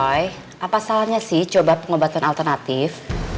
apa salahnya sih coba pengobatan alternatif